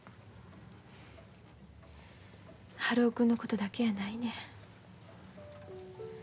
春男君のことだけやないねん。